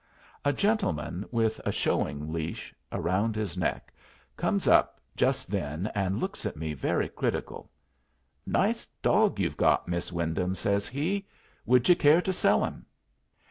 A gentleman with a showing leash around his neck comes up just then and looks at me very critical. "Nice dog you've got, Miss Wyndham," says he; "would you care to sell him?"